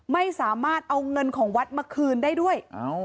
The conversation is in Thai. ไม่สามารถเอาเงินของวัดมาคืนได้ด้วย